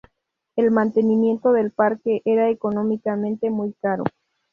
El mantenimiento del parque era económicamente muy caro.